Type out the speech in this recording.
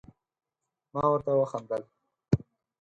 ما ورته وخندل ،